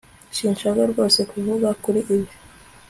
sinshaka rwose kuvuga kuri ibi